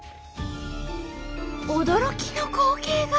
驚きの光景が。